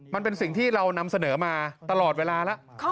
มันเป็นสิ่งที่เรานำเสนอมาตลอดเวลาแล้ว